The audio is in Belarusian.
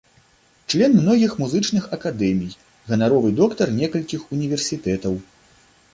Член многіх музычных акадэмій, ганаровы доктар некалькіх універсітэтаў.